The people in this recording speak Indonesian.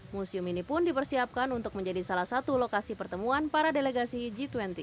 museum ini pun dipersiapkan untuk menjadi salah satu lokasi pertemuan para delegasi g dua puluh